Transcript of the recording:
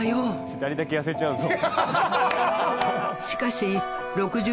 左だけ痩せちゃうぞ。